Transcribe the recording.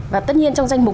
và tất nhiên trong danh mục